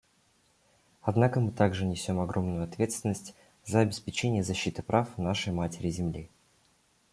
Однако мы также несем огромную ответственность за обеспечение защиты прав нашей Матери-Земли.